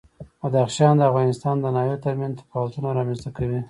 بدخشان د افغانستان د ناحیو ترمنځ تفاوتونه رامنځ ته کوي.